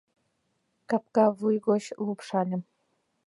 Капка вуй гоч лупшальым.